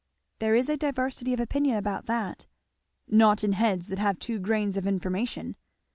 "There is a diversity of opinion about that." "Not in heads that have two grains of information."